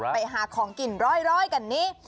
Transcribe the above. ไปหาของกินร้อยกันนี้